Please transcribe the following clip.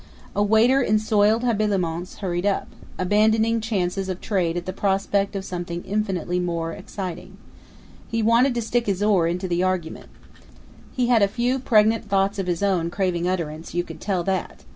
A waiter in soiled habiliments hurried up, abandoning chances of trade at the prospect of something infinitely more exciting. He wanted to stick his oar into the argument. He had a few pregnant thoughts of his own craving utterance, you could tell that.